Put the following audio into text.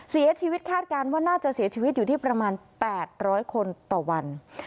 คาดการณ์ว่าน่าจะเสียชีวิตอยู่ที่ประมาณ๘๐๐คนต่อวัน